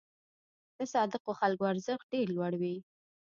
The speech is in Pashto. د صادقو خلکو ارزښت ډېر لوړ وي.